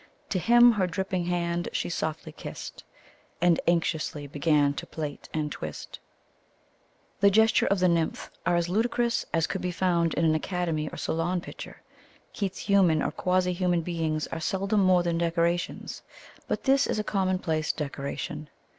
To him her dripping hand she softly kist, And anxiously began to plait and twist The gestures of the nymph are as ludicrous as could be found in an Academy or Salon picture. Keats's human or quasi human beings are seldom more than decorations, but this is a commonplace decoration.